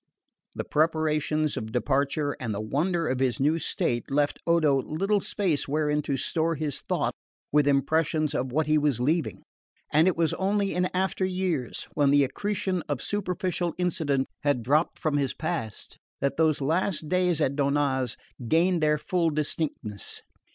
The preparations of departure and the wonder of his new state left Odo little space wherein to store his thought with impressions of what he was leaving; and it was only in after years, when the accretion of superficial incident had dropped from his past, that those last days at Donnaz gained their full distinctness.